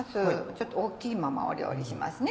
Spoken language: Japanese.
ちょっと大っきいまま料理しますね